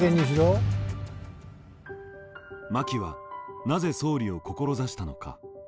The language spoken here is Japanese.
真木はなぜ総理を志したのか。